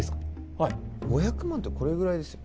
はい５００万ってこれぐらいですよ